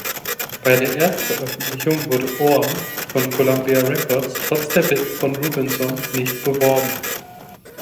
Bei der Erstveröffentlichung wurde „Oar“ von Columbia Records trotz der Bitten von Rubinson nicht beworben.